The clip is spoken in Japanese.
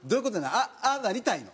ああなりたいの？